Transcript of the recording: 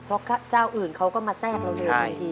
เพราะก็เจ้าอื่นเขาก็มาแซกเราอย่างนี้